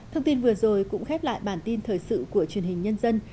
thông tin vừa rồi cũng khép lại bản tin thời sự của truyền hình nhân dân